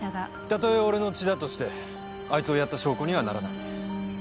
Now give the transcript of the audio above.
たとえ俺の血だとしてあいつを殺った証拠にはならない。